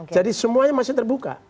jadi semuanya masih terbuka